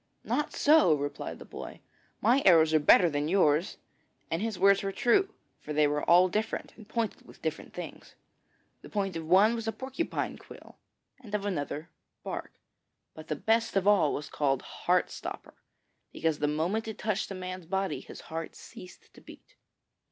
'Not so,' replied the boy. 'My arrows are better than yours.' And his words were true, for they were all different, and pointed with different things. The point of one was a porcupine quill, and of another bark, but the best of all was called Heart stopper, because the moment it touched a man's body his heart ceased to beat.